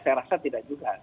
saya rasa tidak juga